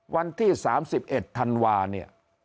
วันที่๓๑ธันวาเนี่ย